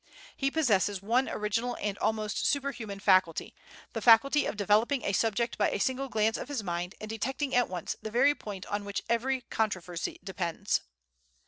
He possesses one original and almost superhuman faculty, the faculty of developing a subject by a single glance of his mind, and detecting at once the very point on which every controversy depends."